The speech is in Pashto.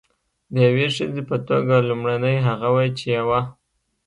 د یوې ښځې په توګه لومړنۍ هغه وه چې یوه.